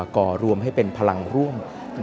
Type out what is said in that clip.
ก่อรวมให้เป็นพลังร่วม